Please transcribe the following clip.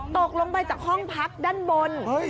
ตกลงไปจากห้องพักด้านบน